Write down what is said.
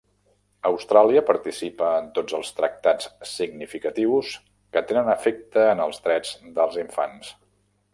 Austràlia participa en tots els tractats significatius que tenen efecte en els drets dels infants.